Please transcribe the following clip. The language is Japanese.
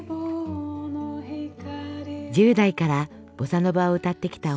１０代からボサノバを歌ってきた小野さん。